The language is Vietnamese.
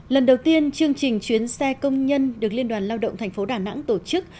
lần đầu tiên chương trình chuyến xe công nhân được liên đoàn lao động thành phố đà nẵng tổ chức